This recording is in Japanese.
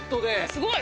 すごい！